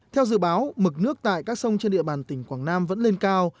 theo dự báo mực nước tại các sông trên địa bàn tỉnh quảng nam vẫn lên cao